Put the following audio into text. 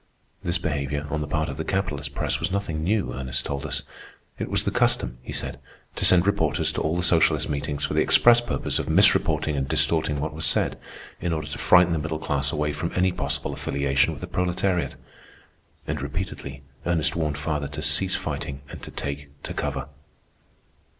This behavior, on the part of the capitalist press, was nothing new, Ernest told us. It was the custom, he said, to send reporters to all the socialist meetings for the express purpose of misreporting and distorting what was said, in order to frighten the middle class away from any possible affiliation with the proletariat. And repeatedly Ernest warned father to cease fighting and to take to cover.